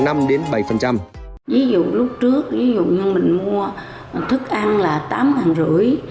ví dụ lúc trước ví dụ như mình mua thức ăn là tám rưỡi